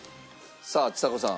さあちさ子さん。